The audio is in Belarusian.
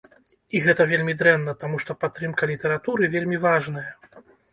І гэта вельмі дрэнна, таму што падтрымка літаратуры вельмі важная.